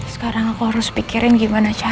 sekarang aku harus pikirin gimana caranya